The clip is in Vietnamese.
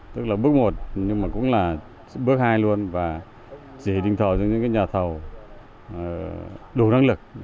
tức là bước một nhưng mà cũng là bước hai luôn và chỉ định thầu cho những cái nhà thầu đủ năng lực